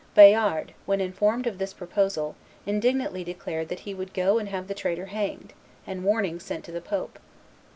Bayard, when informed of this proposal, indignantly declared that he would go and have the traitor hanged, and warning sent to the pope.